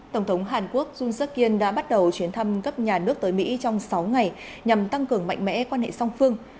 tổng thống hàn quốc jun suk in đã bắt đầu chuyến thăm cấp nhà nước tới mỹ trong sáu ngày nhằm tăng cường mạnh mẽ quan hệ song phương